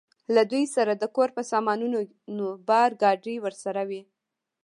له دوی سره د کور په سامانونو بار، ګاډۍ ورسره وې.